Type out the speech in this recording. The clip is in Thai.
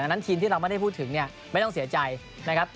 นั้นทีมที่เราไม่ได้พูดถึงเนี่ยไม่ต้องเสียใจนะครับ